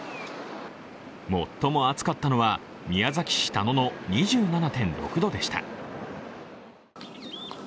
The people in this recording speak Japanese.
最も暑かったのは宮崎市田野の２７．６度でした。